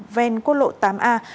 ven quốc lộ tám a